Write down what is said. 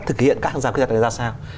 thực hiện các hàng rào kỹ thuật này ra sao